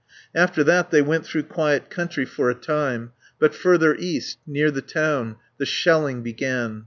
After that they went through quiet country for a time, but further east, near the town, the shelling began.